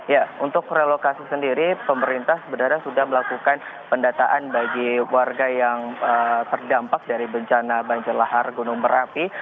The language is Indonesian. ya untuk relokasi sendiri pemerintah sebenarnya sudah melakukan pendataan bagi warga yang terdampak dari bencana banjir lahar gunung merapi